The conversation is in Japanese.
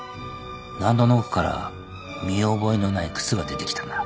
納戸の奥から見覚えのない靴が出てきたんだ。